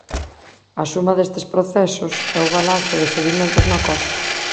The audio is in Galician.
A suma destes procesos é o balance de sedimentos na costa.